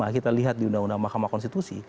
kita lihat di undang undang mahkamah konstitusi